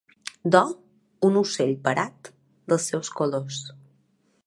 D'or, un ocell parat, dels seus colors.